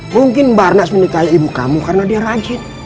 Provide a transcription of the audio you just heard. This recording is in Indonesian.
mungkin barnas menikahi ibu kamu karena dia rajin